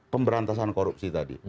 pemberantasan korupsi tadi